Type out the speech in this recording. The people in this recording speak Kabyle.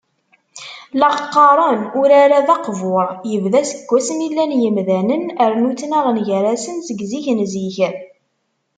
La aɣ-qqaren, urar-a, d aqbur: yebda seg wasmi llan yimdanen, rnu ttnaɣen gar-asen seg zik n zik.